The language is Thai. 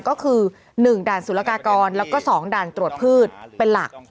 ก็คือ๑ด่านสุรกากรแล้วก็๒ด่านตรวจพืชเป็นหลัก